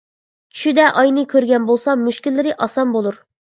چۈشىدە ئاينى كۆرگەن بولسا مۈشكۈللىرى ئاسان بولۇر.